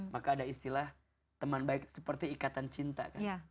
maka ada istilah teman baik itu seperti ikatan cinta